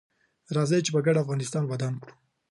راځي چې په ګډه افغانستان ودان کړو